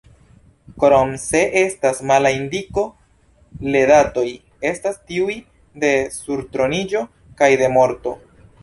Krom se estas mala indiko, le datoj estas tiuj de surtroniĝo kaj de morto.